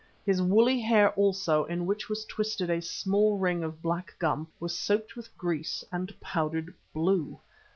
His woolly hair also, in which was twisted a small ring of black gum, was soaked with grease and powdered blue.